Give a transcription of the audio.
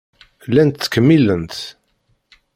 Llant ttkemmilent.